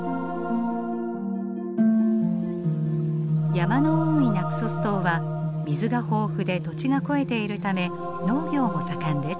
山の多いナクソス島は水が豊富で土地が肥えているため農業も盛んです。